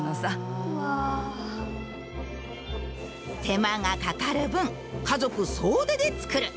手間がかかる分家族総出で作る。